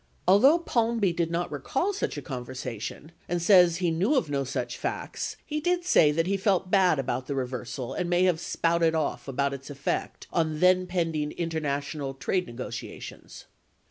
23 Although Palmby did not recall such a conversation and says he knew of no such facts, he did say that he felt bad about the reversal and may have "spouted off" about, its effect on then pending international trade negotiations.